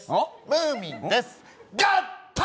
ムーミンです合体！